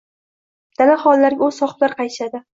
Dala-hovlilarga o`z sohiblari qaytishadi